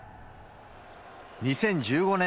２０１５年